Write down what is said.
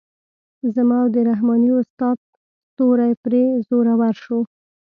زما او د رحماني استاد ستوری پرې زورور شو.